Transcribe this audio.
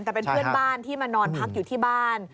แต่เป็นเพื่อนบ้านที่มานอนพักอยู่ที่บ้าน